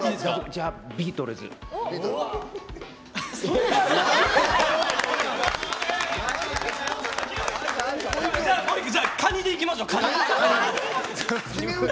じゃあ、カニでいきましょう。